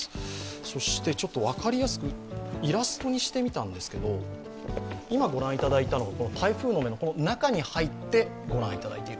そして、ちょっと分かりやすくイラストにしてみたんですけど今御覧いただいたのが台風の目の中に入って御覧いただいている。